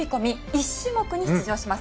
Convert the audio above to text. １種目に出場します。